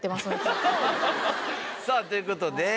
さあという事で。